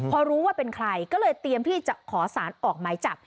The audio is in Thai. พอรู้ว่าเป็นใครก็เลยเตรียมที่จะขอสารออกหมายจับ